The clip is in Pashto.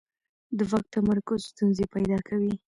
د واک تمرکز ستونزې پیدا کوي